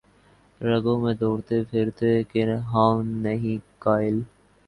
رگوں میں دوڑتے پھرنے کے ہم نہیں قائل